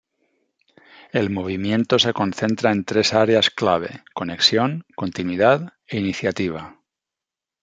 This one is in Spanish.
El movimiento se concentra en tres áreas clave: conexión, continuidad e iniciativa.